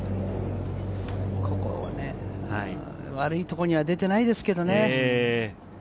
ここは悪いところには出ていないですけどね。